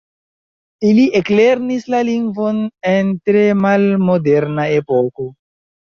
Ili eklernis la lingvon en tre malmoderna epoko.